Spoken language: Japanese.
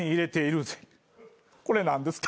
これ何ですか？